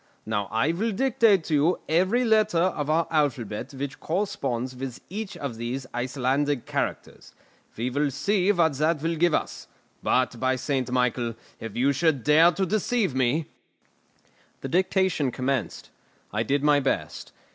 "Now I will dictate to you every letter of our alphabet which corresponds with each of these Icelandic characters. We will see what that will give us. But, by St. Michael, if you should dare to deceive me " The dictation commenced. I did my best.